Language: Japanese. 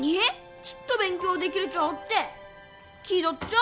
ちっと勉強できるち思って気取っちょう！